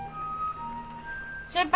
先輩